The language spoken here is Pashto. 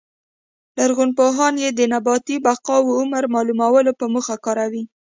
لرغونپوهان یې د نباتي بقایاوو عمر معلومولو په موخه کاروي